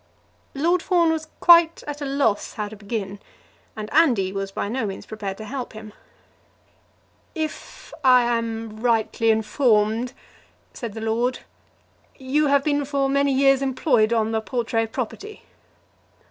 Lord Fawn was quite at a loss how to begin, and Andy was by no means prepared to help him. "If I am rightly informed," said the lord, "you have been for many years employed on the Portray property?"